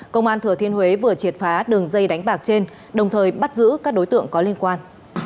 công an thừa thiên huế vừa triệt phá đường dây đánh bạc trên đồng thời bắt giữ các đối tượng có liên quan